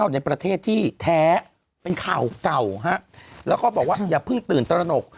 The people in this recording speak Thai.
ในประเทศที่แท้เป็นข่าวเก่าฮะแล้วก็บอกว่าอย่าเพิ่งตื่นตระหนก